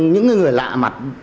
những cái người lạ mặt